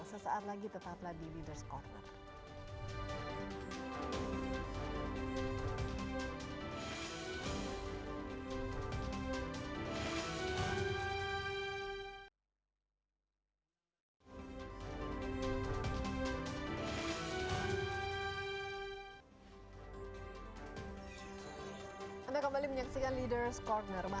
sesaat lagi tetaplah di leaders' corner